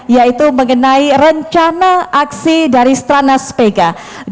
yaitu mengenai rencana aksi dari strana spga dua ribu dua puluh tiga dua ribu dua puluh empat